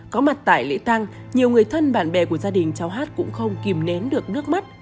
có mặt tại lễ tăng nhiều người thân bạn bè của gia đình cháu hát cũng không kìm nén được nước mắt